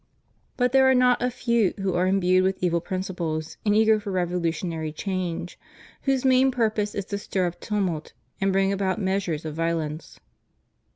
But there are not a few who are imbued with evil principles and eager for revolutionary change, whose main purpose is to stir up tumult and bring about measures of violence.